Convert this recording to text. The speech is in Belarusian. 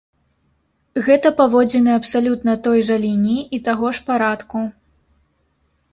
Гэта паводзіны абсалютна той жа лініі і таго ж парадку.